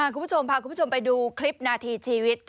คุณผู้ชมพาคุณผู้ชมไปดูคลิปนาทีชีวิต